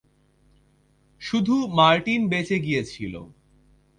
শুধু মার্টিন বেঁচে গিয়েছিলো।